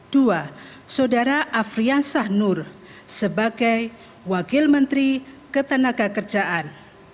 dua saudara afrian sahnur sebagai wakil menteri ketenagakerjaan